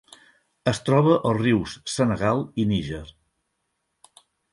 Es troba als rius Senegal i Níger.